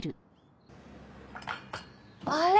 あれ？